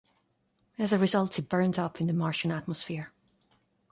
As a result, it burned up in the Martian atmosphere.